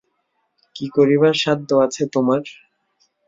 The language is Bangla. কী করিবার সাধ্য আছে তোমার।